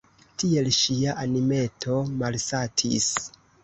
Tiel ŝia animeto malsatis.